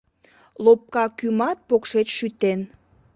Лопка кӱмат покшеч шӱтен